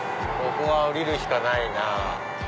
ここは降りるしかないな。